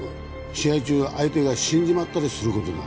試合中相手が死んじまったりする事だ。